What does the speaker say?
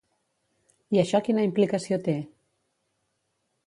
I això quina implicació té?